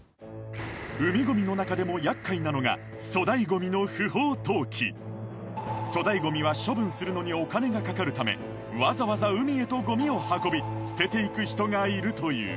海ゴミの中でも厄介なのが粗大ゴミは処分するのにお金がかかるためわざわざ海へとゴミを運び捨てていく人がいるという